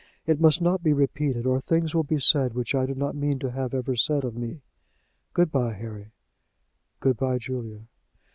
It must not be repeated, or things will be said which I do not mean to have ever said of me. Good by, Harry." "Good by, Julia."